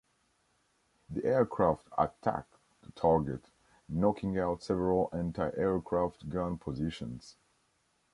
The aircraft attacked the target, knocking out several Anti-Aircraft gun positions.